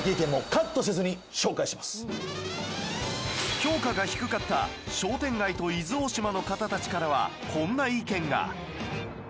評価が低かった商店街と伊豆大島の方たちからはこんな意見が